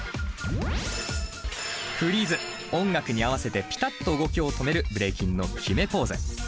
音楽に合わせてピタッと動きを止めるブレイキンのキメポーズ。